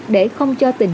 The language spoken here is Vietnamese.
để không cho tình